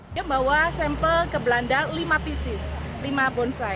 dia membawa sampel ke belanda lima pieces lima bonsai